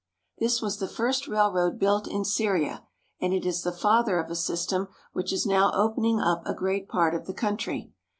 This was the first railroad built in Syria, and it is the father of a system which is now opening up a great part of the country.